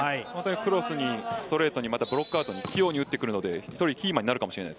クロスストレートにブロックアウトに器用に打ってくるので１人キーマンになるかもしれません。